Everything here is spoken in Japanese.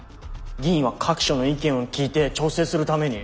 議員は各所の意見を聞いて調整するために。